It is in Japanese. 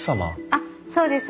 あっそうです。